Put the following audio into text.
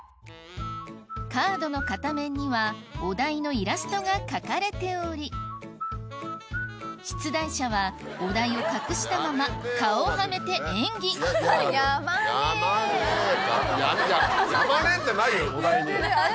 カードの片面にはお題のイラストが描かれており出題者はお題を隠したまま顔をはめて演技いや「山根」ってないよお題に。